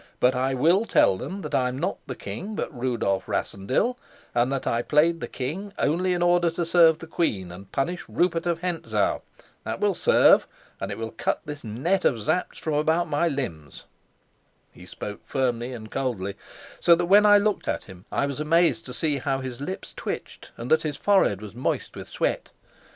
"But I will tell them that I'm not the king, but Rudolf Rassendyll, and that I played the king only in order to serve the queen and punish Rupert of Hentzau. That will serve, and it will cut this net of Sapt's from about my limbs." He spoke firmly and coldly; so that when I looked at him I was amazed to see how his lips twitched and that his forehead was moist with sweat.